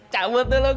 cabut dulu gue